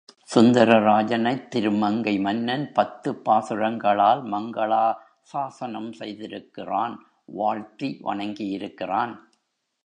சுந்தரராஜனைத் திருமங்கை மன்னன் பத்துப் பாசுரங்களால் மங்களாசாஸனம் செய்திருக்கிறான் வாழ்த்தி வணங்கியிருக்கிறான்.